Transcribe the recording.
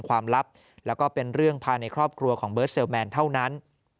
ความลับแล้วก็เป็นเรื่องภายในครอบครัวของเบิร์ดเซลแมนเท่านั้น